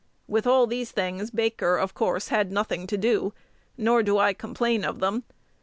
With all these things, Baker, of course, had nothing to do. Nor do I complain of them.